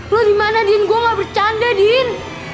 lo di mana din gue gak bercanda din